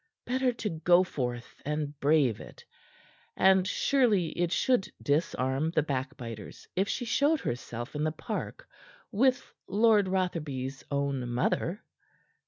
Better to go forth and brave it, and surely it should disarm the backbiters if she showed herself in the park with Lord Rotherby's own mother.